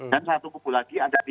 dan satu kubu lagi ada di